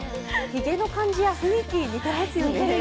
ひげの感じや雰囲気、似ていますよね。